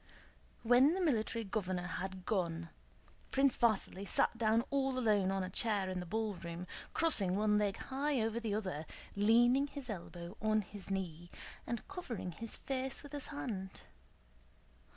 When the Military Governor had gone, Prince Vasíli sat down all alone on a chair in the ballroom, crossing one leg high over the other, leaning his elbow on his knee and covering his face with his hand.